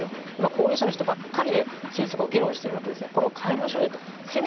高齢者の人ばっかりが政策を議論してるわけでこれを変えましょうと。